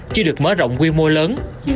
chưa được mở rộng quy mô lớn